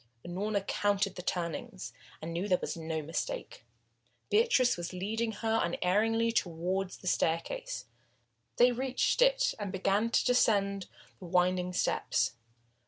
Unorna counted the turnings and knew that there was no mistake. Beatrice was leading her unerringly towards the staircase. They reached it, and began to descend the winding steps.